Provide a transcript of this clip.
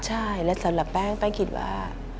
ใช่และสำหรับแป้งแป้งคิดว่า